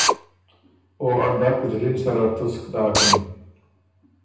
او ا ډک زلی ن سره تسک داکِن۔